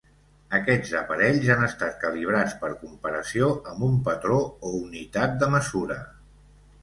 Aquests aparells han estat calibrats per comparació amb un patró o unitat de mesura.